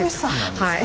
はい。